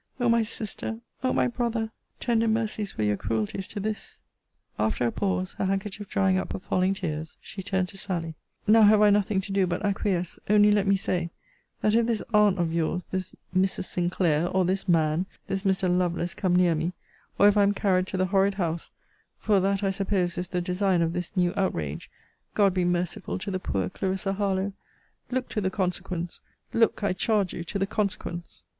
O my sister! O my brother! Tender mercies were your cruelties to this! After a pause, her handkerchief drying up her falling tears, she turned to Sally: Now, have I nothing to do but acquiesce only let me say, that if this aunt of your's, this Mrs. Sinclair, or this man, this Mr. Lovelace, come near me; or if I am carried to the horrid house; (for that, I suppose, is the design of this new outrage;) God be merciful to the poor Clarissa Harlowe! Look to the consequence! Look, I charge you, to the consequence!